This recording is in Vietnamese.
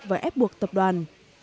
và ép buộc tập đoàn